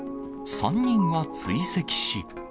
３人は追跡し。